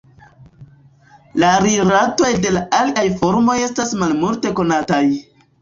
La rilatoj de la aliaj formoj estas malmulte konataj.